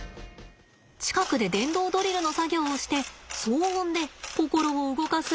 近くで電動ドリルの作業をして騒音で心を動かすんだって。